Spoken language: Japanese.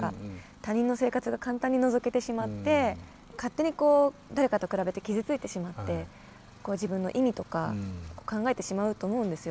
他人の生活が簡単にのぞけてしまって勝手に誰かと比べて傷ついてしまって自分の意味とか考えてしまうと思うんですよ。